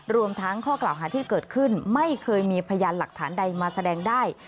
รวมทั้งข้อกล่าวหาที่เกิดขึ้นไม่เคยมีพยานหลักฐานใดมาแสดงได้